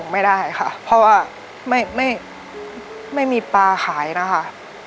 ไม่มีปลาขายนะครับ